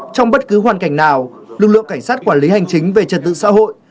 trong bất cứ hoàn cảnh nào lực lượng cảnh sát quản lý hành chính về trật tự xã hội